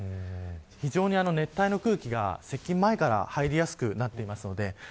非常に熱帯の空気が、接近前から入りやすくなっています。